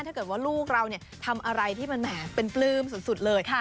ถ้าเกิดว่าลูกเราทำอะไรที่มันแหมเป็นปลื้มสุดเลย